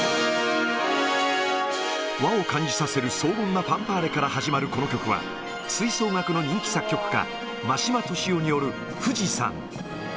和を感じさせる荘厳なファンファーレから始まるこの曲は、吹奏楽の人気作曲家、真島俊夫による富士山。